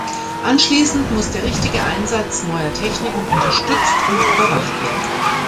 Anschließend muss der richtige Einsatz neuer Techniken unterstützt und überwacht werden.